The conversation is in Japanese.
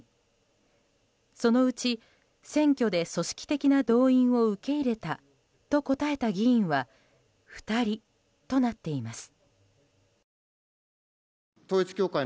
そのうち選挙で組織的な動員を受け入れたと答えた議員は２人となっています。